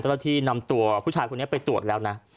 เจ้าหน้าที่นำตัวผู้ชายคนนี้ไปตรวจแล้วนะ